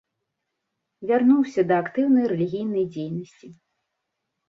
Вярнуўся да актыўнай рэлігійнай дзейнасці.